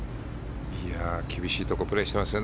厳しいところプレーしてますね。